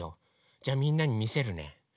じゃみんなにみせるね。